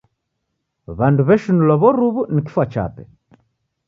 W'andu w'eshinulwa w'oru'wu ni kifwa chape.